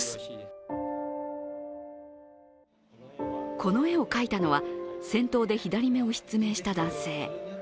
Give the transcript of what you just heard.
この絵を描いたのは戦闘で左目を失明した男性。